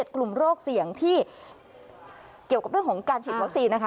กลุ่มโรคเสี่ยงที่เกี่ยวกับเรื่องของการฉีดวัคซีนนะคะ